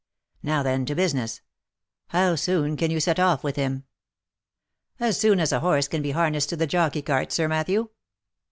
Now then, to business. How soon can you set off with him ?"" As soon as a horse can be harnessed to the jockey cart, Sir Matthew."